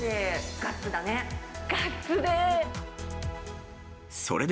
ガッツで！